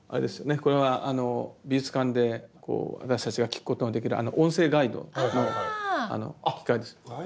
これはあの美術館で私たちが聴くことのできるあの音声ガイドの機械です。